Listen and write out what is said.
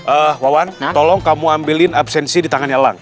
eh wawan tolong kamu ambilin absensi di tangan elang